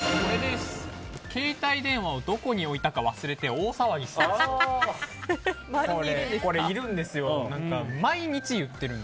携帯電話をどこに置いたか忘れて大騒ぎする人。